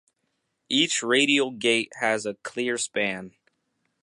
Each radial gate has a clear span.